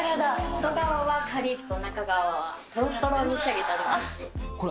外はかりっと、中側はとろとろに仕上げております。